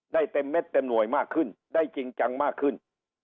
ได้เต็มเม็ดเต็มหน่วยมากขึ้นได้จริงจังมากขึ้น